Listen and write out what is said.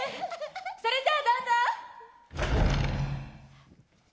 それじゃあどうぞ！